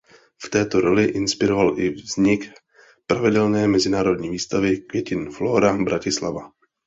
V této roli inspiroval i vznik pravidelné mezinárodní výstavy květin Flóra Bratislava.